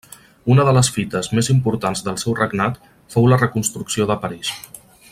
Una de les fites més importants del seu regnat fou la reconstrucció de París.